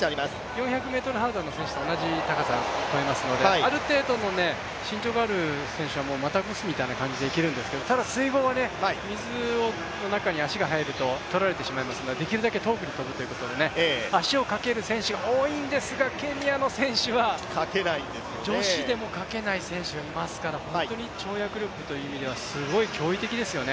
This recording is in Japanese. ４００ｍハードルの選手と同じ高さを越えますのである程度の身長がある選手はまたぐ感じでいけるんですけど、ただ水濠は水の中に足が入ると取られてしまいますので、できるだけ遠くに跳ぶということで、足をかける選手が多いんですがケニアの選手は、女子でもかけない選手がいますから本当に跳躍力という意味では驚異的ですよね。